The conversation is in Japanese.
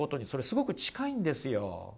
すごく近いんですよ。